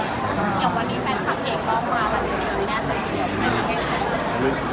อย่างวันนี้แฟนคลับเอกมากอันนี้คืออะไรเดียวกันครับ